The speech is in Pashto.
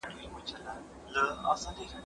زه هره ورځ مځکي ته ګورم!؟